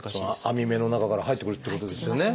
網目の中から入ってくるってことですよね。